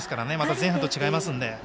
前半と違いますから。